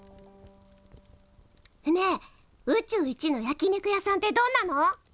ねえ宇宙一の焼き肉屋さんってどんなの？